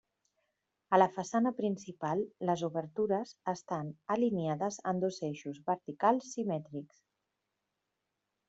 A la façana principal, les obertures estan alineades en dos eixos verticals simètrics.